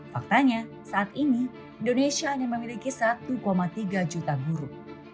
faktanya saat ini indonesia hanya memiliki satu tiga juta guru